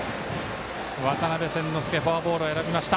渡邉千之亮フォアボールを選びました。